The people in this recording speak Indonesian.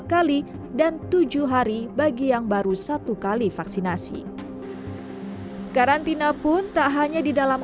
kali dan tujuh hari bagi yang baru satu kali vaksinasi karantina pun tak hanya di dalam